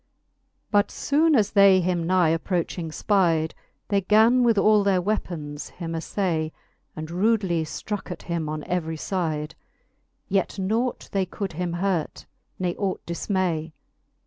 LIII. But Ibone as they him nigh approching Ipide, They gan with all their weapons him aflay. And rudely ftroke at him on every lide: Yet nought they could him hurt, ne ought difinay.